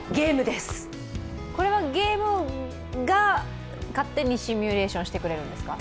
これはゲームが勝手にシミュレーションしてくれるんですか？